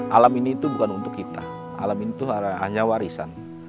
alam ini bukan untuk kita alam ini hanya warisan